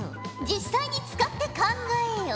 実際に使って考えよ。